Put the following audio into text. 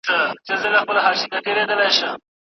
پر جنډۍ د شهیدانو سیوری نه وی د مغلو